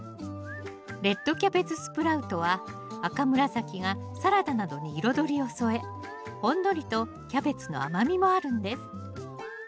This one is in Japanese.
レッドキャベツスプラウトは赤紫がサラダなどに彩りを添えほんのりとキャベツの甘みもあるんです